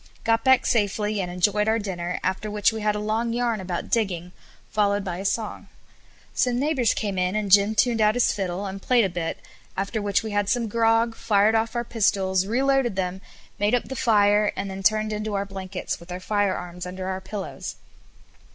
Got back safely, and enjoyed our dinner, after which we had a long yarn about digging, followed by a song. Some neighbours came in, and Jim turned out his fiddle, and played a bit, after which we had some grog, fired off our pistols, reloaded them, made up the fire, and then turned into our blankets, with our firearms under our pillows.